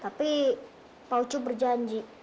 tapi pak ucup berjanji